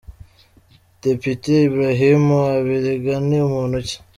Depite Ibrahim Abiriga ni muntu ki ?